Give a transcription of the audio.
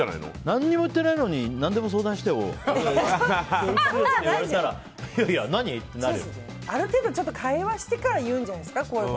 何も言ってないのに何でも相談してよって言われたらある程度、会話してからこういうことを言うんじゃないですか。